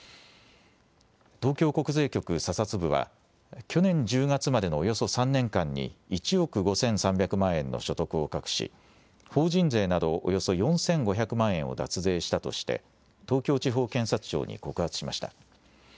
東京国税局査察部は、去年１０月までのおよそ３年間に１億５３００万円の所得を隠し、法人税などおよそ４５００万円を脱税したとして、東京地方検察庁に告発しました。